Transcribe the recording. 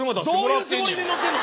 どういうつもりで乗ってんの？